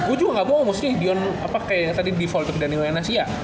gue juga nggak bohong mustinya yon kayak tadi default dari daniwenas iya